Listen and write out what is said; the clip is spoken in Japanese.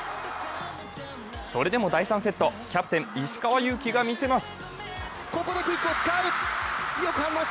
それでも第３セット、キャプテン・石川祐希が見せます。